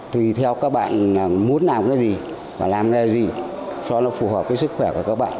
tùy theo các bạn muốn làm cái gì và làm gì cho nó phù hợp với sức khỏe của các bạn